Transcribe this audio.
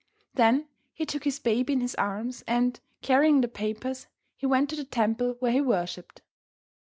Then he took his baby in his arms, and, carrying the papers, he went to the temple where he worshipped.